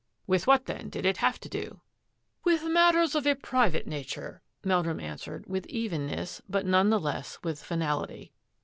" With what, then, did it have to do? "" With matters of a private nature," Meldrum answered, with evenness, but none the less with finality.